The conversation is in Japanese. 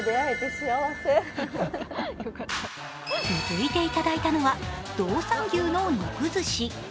続いていただいたのは道産牛の肉寿司。